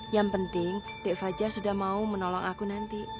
yang penting dek fajar sudah mau menolong aku nanti